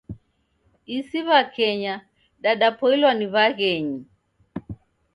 Isi w'akenya dadapoilwa ni w'aghenyi.